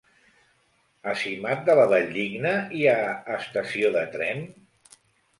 A Simat de la Valldigna hi ha estació de tren?